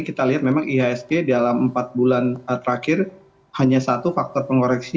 kita lihat memang ihsg dalam empat bulan terakhir hanya satu faktor pengoreksi